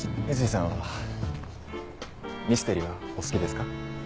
翡翠さんはミステリはお好きですか？